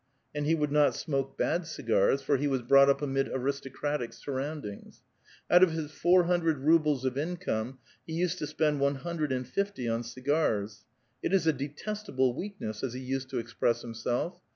*' And he would not smoke bad cigars, for he was brouglit up amid aristocratic surroundings. Out of his four bundred roubles of income, he used to spend one hundred Etnd fifty on cigars. "It is a detestable weakness," as he cised to express himself.